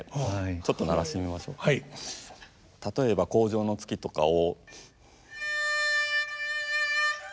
例えば「荒城の月」とかを。